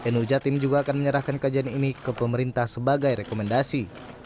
nu jatim juga akan menyerahkan kajian ini ke pemerintah sebagai rekomendasi